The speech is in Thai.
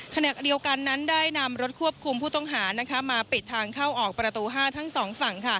ขณะเดียวกันนั้นได้นำรถควบคุมผู้ต้องหามาปิดทางเข้าออกประตู๕ทั้งสองฝั่ง